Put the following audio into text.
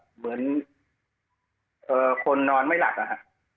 เหมือนคนนอนไม่หลับนะฮะ